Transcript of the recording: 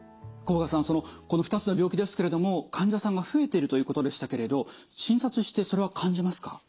甲賀さんそのこの２つの病気ですけれども患者さんが増えているということでしたけれど診察してそれは感じますか？